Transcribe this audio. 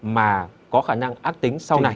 mà có khả năng ác tính sau này